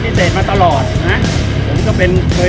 แต่อันนี้จะเป็นจริง